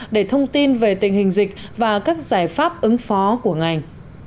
để thông tin về tình hình dịch và các giải pháp ứng phó của ngành